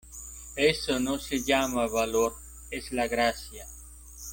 eso no se llama valor: es la Gracia...